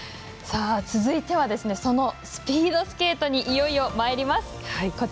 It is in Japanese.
続いてはそのスピードスケートにいよいよ、まいります。